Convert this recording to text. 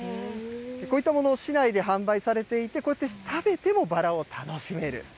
こういったもの、市内で販売されていて、こうやって食べてもバラを楽しめる。